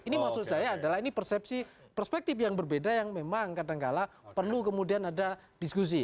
ini maksud saya adalah ini persepsi perspektif yang berbeda yang memang kadangkala perlu kemudian ada diskusi